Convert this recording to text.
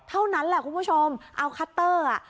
เท่านั้นแหละคุณผู้ชมเอาคัตเตอร์อ่ะ